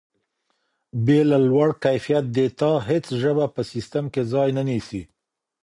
بې له لوړ کیفیت ډیټا هیڅ ژبه په سیسټم کې ځای نه نیسي.